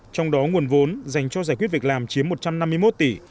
trong đó nguồn vốn dành cho giải quyết việc làm chiếm một trăm năm mươi một tỷ